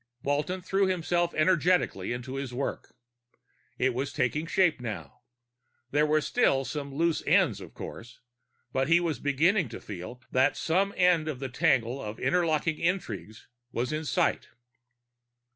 Walton threw himself energetically into his work. It was taking shape, now. There were still some loose ends, of course, but he was beginning to feel that some end to the tangle of interlocking intrigues was in sight.